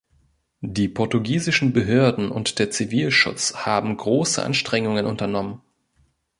Die portugiesischen Behörden und der Zivilschutz haben große Anstrengungen unternommen.